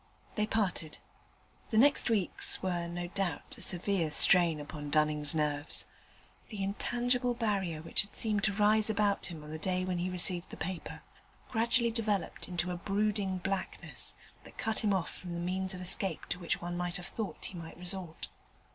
They parted. The next weeks were no doubt a severe strain upon Dunning's nerves: the intangible barrier which had seemed to rise about him on the day when he received the paper, gradually developed into a brooding blackness that cut him off from the means of escape to which one might have thought he might resort.